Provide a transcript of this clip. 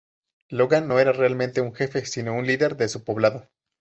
Logan no era realmente un jefe, sino un líder de su poblado.